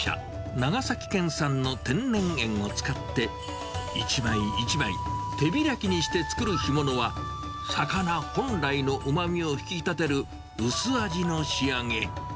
長崎県産の天然塩を使って、一枚一枚、手開きにして作る干物は、魚本来のうまみを引き立てる薄味の仕上げ。